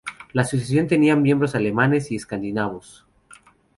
La asociación tenía miembros alemanes y escandinavos.